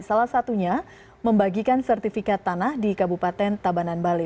salah satunya membagikan sertifikat tanah di kabupaten tabanan bali